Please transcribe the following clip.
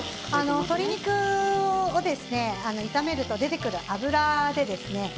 鶏肉を炒めると出てくる脂ですね。